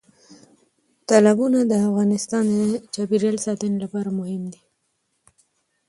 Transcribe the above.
تالابونه د افغانستان د چاپیریال ساتنې لپاره مهم دي.